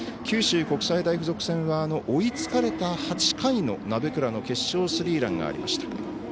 九州国際大付属戦は追いつかれた８回の鍋倉の決勝スリーランがありました。